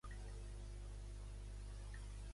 Montoro, a quina cosa insta a Rivera?